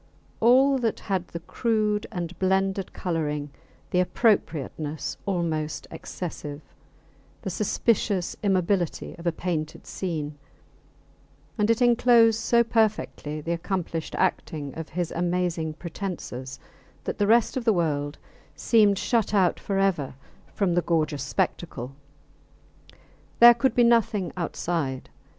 All that had the crude and blended colouring, the appropriateness almost excessive, the suspicious immobility of a painted scene; and it enclosed so perfectly the accomplished acting of his amazing pretences that the rest of the world seemed shut out forever from the gorgeous spectacle. There could be nothing outside.